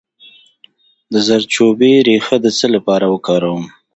د زردچوبې ریښه د څه لپاره وکاروم؟